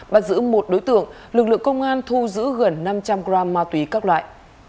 bắt giữ một đối tượng lực lượng công an thu giữ gần năm trăm linh g ma túy các loại